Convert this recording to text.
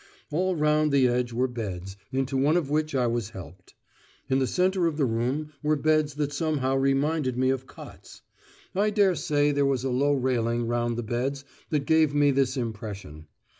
All round the edge were beds, into one of which I was helped. In the centre of the room were beds that somehow reminded me of cots. I dare say there was a low railing round the beds that gave me this impression.